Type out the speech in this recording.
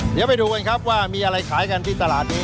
เดี๋ยวไปดูกันครับว่ามีอะไรขายกันที่ตลาดนี้